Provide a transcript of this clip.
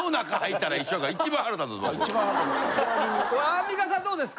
アンミカさんどうですか？